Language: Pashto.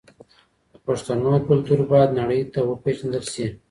د پښتنو کلتور باید نړۍ ته وپېژندل سي.